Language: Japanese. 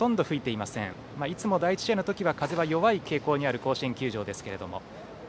いつも第１試合の時は風は弱い傾向にある甲子園球場ですけれども。